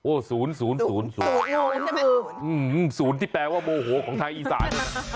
โอ้๐๐๐๐๐สวนสวนที่แปลว่าโมโหของทางอีสาย